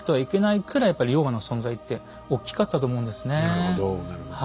なるほどなるほど。